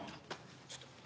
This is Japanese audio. ちょっと。